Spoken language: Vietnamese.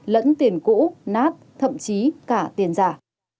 lẫn tiền cũ nát thậm chí cả tiền giả